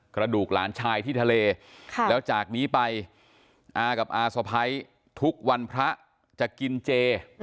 กระดูกหลานชายที่ทะเลแล้วจากนี้ไปอากับอาสะพ้ายทุกวันพระจะกินเจ